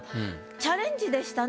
チャレンジでしたね